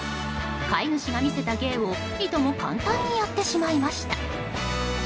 飼い主が見せた芸をいとも簡単にやってしまいました。